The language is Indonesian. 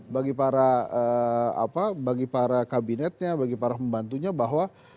bagi para kabinetnya bagi para pembantunya bahwa